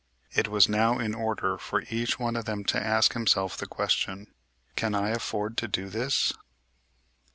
It was now in order for each one of them to ask himself the question: "Can I afford to do this?"